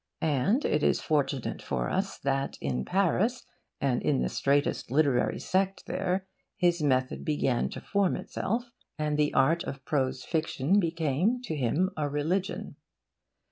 And it is fortunate for us that in Paris, and in the straitest literary sect there, his method began to form itself, and the art of prose fiction became to him a religion.